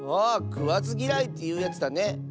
あくわずぎらいというやつだね。